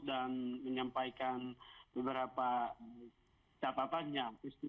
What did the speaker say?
dan menyampaikan beberapa catatannya